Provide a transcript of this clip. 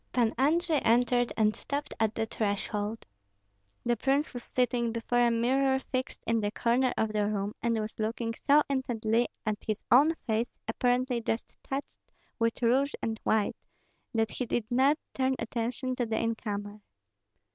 Pan Andrei entered and stopped at the threshold. The prince was sitting before a mirror fixed in the corner of the room, and was looking so intently at his own face, apparently just touched with rouge and white, that he did not turn attention to the incomer.